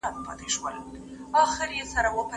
ورځه ویده سه موږ به څرک د سبا ولټوو.